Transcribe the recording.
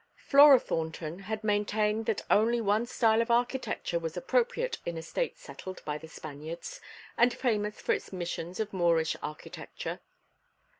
Flora Thornton had maintained that only one style of architecture was appropriate in a state settled by the Spaniards, and famous for its missions of Moorish architecture.